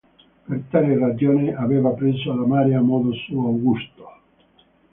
Per tale ragione aveva preso ad amare a modo suo Augusto.